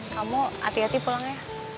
kamu hati hati pulang ya